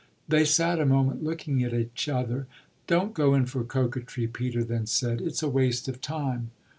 They sat a moment looking at each other. "Don't go in for coquetry," Peter then said. "It's a waste of time."